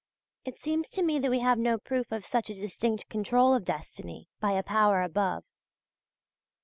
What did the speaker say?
It seems to me that we have no proof of such a distinct control of destiny by a power above.